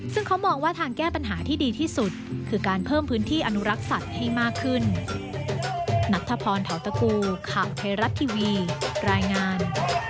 ซึ่งเขามองว่าทางแก้ปัญหาที่ดีที่สุดคือการเพิ่มพื้นที่อนุรักษ์สัตว์ให้มากขึ้น